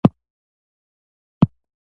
د هضم د ښه کیدو لپاره څه شی وڅښم؟